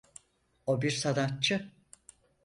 O bir sanatçı.